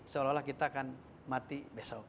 seolah olah kita akan mati besok